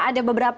kalau kita lihat